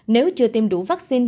nếu chưa tiêm đủ vaccine